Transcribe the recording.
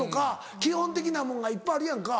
基本的なものがいっぱいあるやんか。